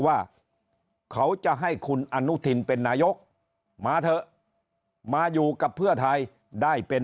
ว่าเขาจะให้คุณอนุทินเป็นนายกมาเถอะมาอยู่กับเพื่อไทยได้เป็น